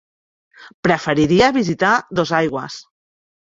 Preferiria visitar Dosaigües.